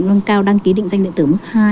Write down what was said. nâng cao đăng ký định danh điện tử mức hai